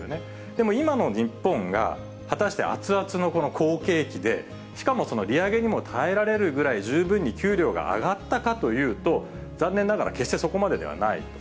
でも今の日本が果たして熱々の好景気で、しかも利上げにも耐えられるぐらい十分に給料が上がったかというと、残念ながら決してそこまでではない。